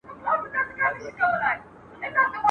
یو څو ورځي یې خالي راوړل دامونه !.